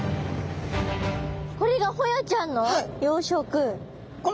これがホヤちゃんの養殖。